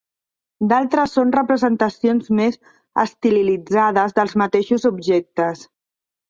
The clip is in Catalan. D'altres són representacions més estilitzades dels mateixos objectes.